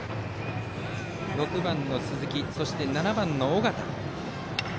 ６番の鈴木、７番の尾形。